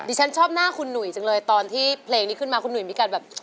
ฉันชอบหน้าคุณหนุ่ยจังเลยตอนที่เพลงนี้ขึ้นมาคุณหนุ่ยมีการแบบ